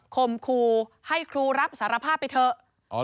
คมครูให้ครูรับสารภาพไปเถอะ